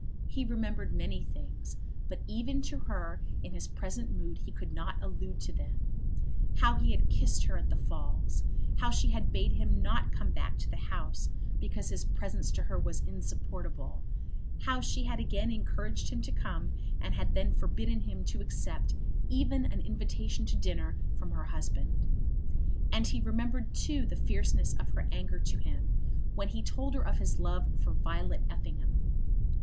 He remembered many things, but even to her in his present mood he could not allude to them; how he had kissed her at the Falls, how she had bade him not come back to the house because his presence to her was insupportable; how she had again encouraged him to come, and had then forbidden him to accept even an invitation to dinner from her husband. And he remembered too the fierceness of her anger to him when he told her of his love for Violet Effingham.